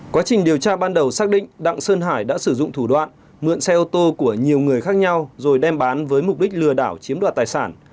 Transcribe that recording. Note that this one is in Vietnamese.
quá trình điều tra ban đầu xác định đặng sơn hải đã sử dụng thủ đoạn mượn xe ô tô của nhiều người khác nhau rồi đem bán với mục đích lừa đảo chiếm đoạt tài sản